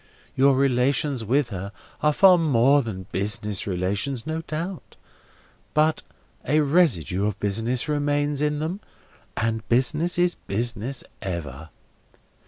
Your relations with her are far more than business relations, no doubt; but a residue of business remains in them, and business is business ever.